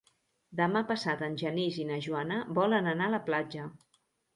Demà passat en Genís i na Joana volen anar a la platja.